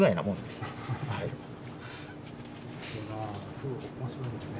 すごい面白いですね。